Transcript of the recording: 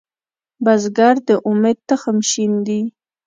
بزګر د امید تخم شیندي